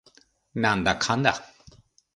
なんだかんだ